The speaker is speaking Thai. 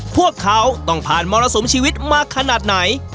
พวกเขาต้องผ่านมรสุมชีวิตมาขนาดไหน